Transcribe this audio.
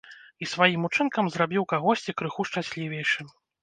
І сваім учынкам зрабіў кагосьці крыху шчаслівейшым.